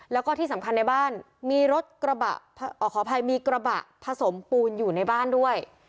แล้วก็ที่สำคัญในบ้านมีกระบะผสมปูนอยู่ในบ้านด้วย